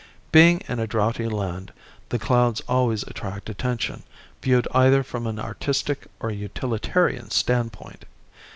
Being in a droughty land the clouds always attract attention viewed either from an artistic or utilitarian standpoint.